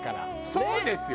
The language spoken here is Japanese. そうですよ。